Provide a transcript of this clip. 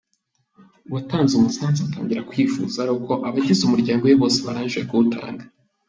Uwatanze umusanzu atangira kwivuza ari uko abagize umuryango we bose barangije kuwutanga.